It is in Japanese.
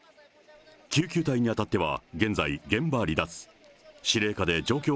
救急隊にあたっては、現在、現場離脱。